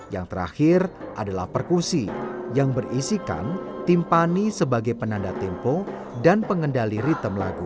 yang terakhir adalah perkusi yang berisikan timpani sebagai penanda tempo dan pengendali ritem lagu